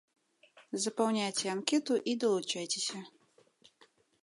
Запаўняйце анкету і далучайцеся.